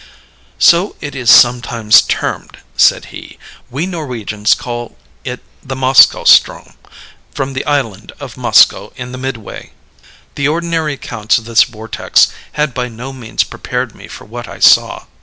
"So it is sometimes termed," said he. "We Norwegians call it the Moskoe ström, from the island of Moskoe in the midway." The ordinary accounts of this vortex had by no means prepared me for what I saw.